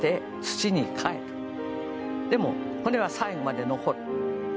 でも骨は最後まで残る。